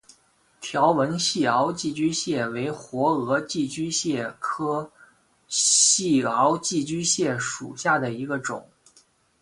条纹细螯寄居蟹为活额寄居蟹科细螯寄居蟹属下的一个种。